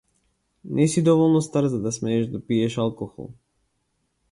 Не си доволно стар за да смееш да пиеш алкохол.